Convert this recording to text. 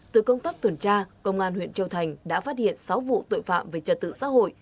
từ công tác tuần tra công an huyện châu thành đã phát hiện sáu vụ tội phạm về trật tự xã hội